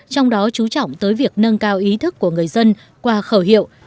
trong đó chú trọng tới việc nâng cao ý thức của người dân qua khẩu hiệu